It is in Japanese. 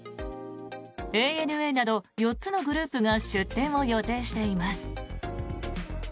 ＡＮＡなど４つのグループが出展を予定しています。